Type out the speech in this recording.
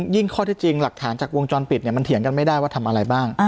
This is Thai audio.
ข้อที่จริงหลักฐานจากวงจรปิดมันเถียงกันไม่ได้ว่าทำอะไรบ้าง